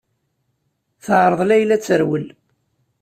Teɛreḍ Layla ad terwel.